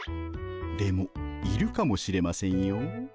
でもいるかもしれませんよ。